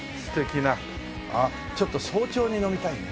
ちょっと早朝に飲みたいよね。